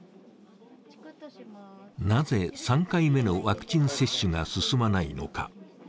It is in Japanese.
なぜ３回目のワクチン接種が進まないのか？